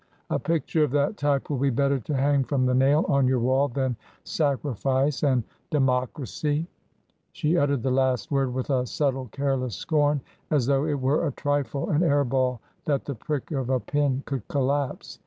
A picture of that type will be better to hang from the nail on your wall than — Sacrifice and — Democracy y She uttered the last word with a subtle careless scorn — ^as though it were a trifle, an air ball, that the prick of a pin could collapse.